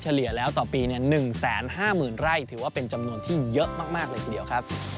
เลี่ยแล้วต่อปี๑๕๐๐๐ไร่ถือว่าเป็นจำนวนที่เยอะมากเลยทีเดียวครับ